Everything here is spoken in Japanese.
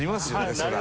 そりゃあ。